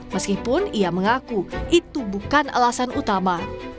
meskipun ia mengaku itu bukan alasan utama